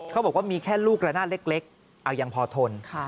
เขาบอกว่ามีแค่ลูกระนาดเล็กเอายังพอทน